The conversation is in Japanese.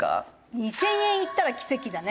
「２０００円いったら奇跡だね。